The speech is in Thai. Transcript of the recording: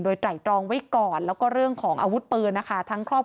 ไตรตรองไว้ก่อนแล้วก็เรื่องของอาวุธปืนนะคะทั้งครอบ